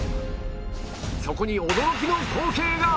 そこに驚きの光景が！